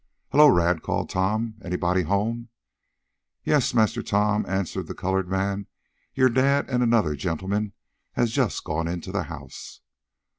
"Hello, Rad," called Tom. "Anybody home?" "Yais, Massa Tom," answered the colored man. "Yo' dad an' anodder gen'mans hab jest gone in de house."